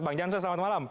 bang jansen selamat malam